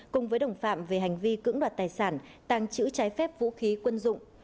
cùng với đồng phạm về hành vi cưỡng đoạt tài sản tàng trữ trái phép vũ khí quân dụng